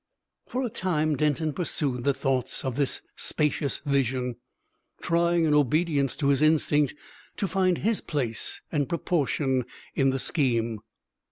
For a time Denton pursued the thoughts of this spacious vision, trying in obedience to his instinct to find his place and proportion in the scheme.